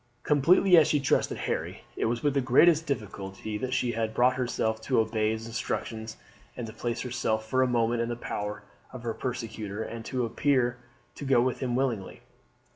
Completely as she trusted Harry, it was with the greatest difficulty that she had brought herself to obey his instructions and to place herself for a moment in the power of her persecutor, and appear to go with him willingly.